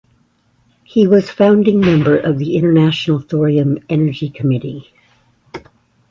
He was founding member of the International Thorium Energy Committee.